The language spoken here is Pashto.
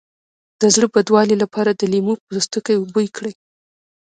د زړه بدوالي لپاره د لیمو پوستکی بوی کړئ